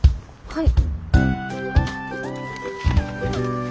はい。